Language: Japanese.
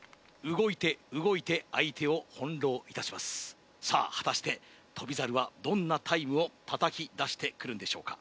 動いて動いて相手を翻弄いたしますさあ果たして翔猿はどんなタイムを叩き出してくるんでしょうか